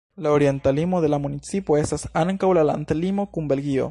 La orienta limo de la municipo estas ankaŭ la landlimo kun Belgio.